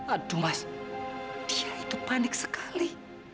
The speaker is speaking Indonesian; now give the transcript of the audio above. aduh mas dia itu panik sekali